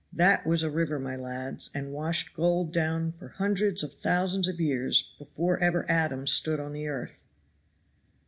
That was a river, my lads, and washed gold down for hundreds of thousands of years before ever Adam stood on the earth."